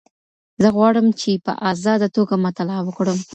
زه غواړم چي په ازاده توګه مطالعه وکړم.